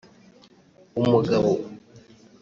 umugabo